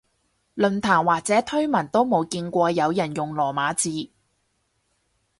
論壇或者推文都冇見過有人用羅馬字